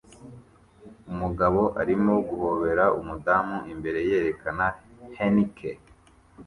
Umugabo arimo guhobera umudamu imbere yerekana Heineke